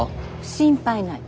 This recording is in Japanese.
心配ない。